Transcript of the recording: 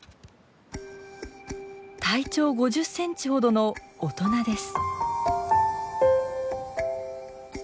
体長５０センチほどの大人です。